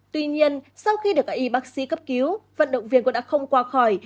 tuy nhiên sau khi được các y bác sĩ cấp cứu vận động viên cũng đã không qua khỏi